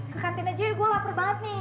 ke kantin aja ya gue lapar banget nih